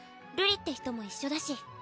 瑠璃って人も一緒だし。